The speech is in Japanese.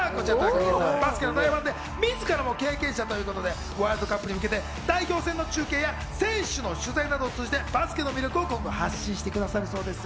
バスケの大ファンで自らも経験者ということで、ワールドカップに向けて代表戦の中継や、選手の取材などを通じてバスケの魅力を今後発信してくださるそうです。